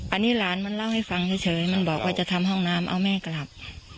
อันนี้หลานมันเล่าให้ฟังเฉยมันบอกว่าจะทำห้องน้ำเอาแม่กลับ